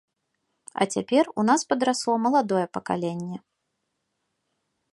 А цяпер у нас падрасло маладое пакаленне.